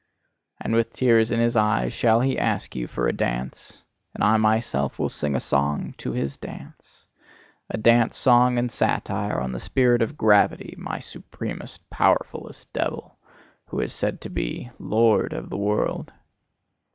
And with tears in his eyes shall he ask you for a dance; and I myself will sing a song to his dance: A dance song and satire on the spirit of gravity my supremest, powerfulest devil, who is said to be "lord of the world."